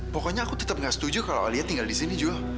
pokoknya aku tetap gak setuju kalau olia tinggal di sini juga